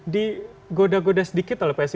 digoda goda sedikit oleh psi